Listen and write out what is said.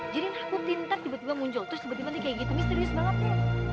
jadi nakutin ntar tiba tiba muncul terus tiba tiba kayak gitu misterius banget ya